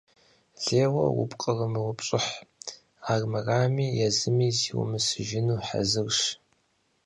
Лейуэ упкърымыупщӏыхь, армырами езым зиумысыжыну хьэзырщ.